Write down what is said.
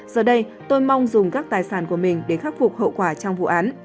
giờ đây tôi mong dùng các tài sản của mình để khắc phục hậu quả trong vụ án